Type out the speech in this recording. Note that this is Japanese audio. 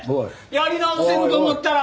やり直せると思ったら。